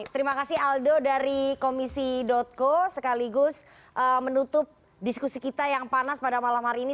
terima kasih aldo dari komisi co sekaligus menutup diskusi kita yang panas pada malam hari ini